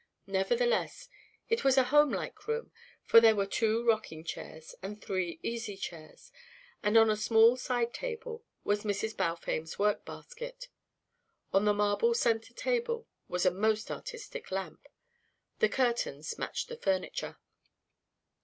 Nevertheless, it was a homelike room, for there were two rocking chairs and three easy chairs; and on a small side table was Mrs. Balfame's workbasket. On the marble centre table was a most artistic lamp. The curtains matched the furniture.